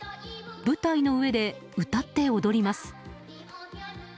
舞台の上で歌って踊ります。